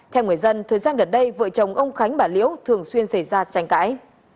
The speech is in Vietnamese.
theo người dân thời gian gần đây vợ chồng ông khánh bà liễu thường xuyên xảy ra tranh cãi